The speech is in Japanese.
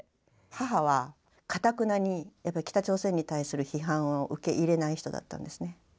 母はかたくなに北朝鮮に対する批判を受け入れない人だったんですね。